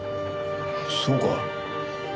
そうか？